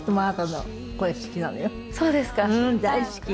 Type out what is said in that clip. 大好き。